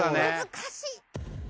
難しい！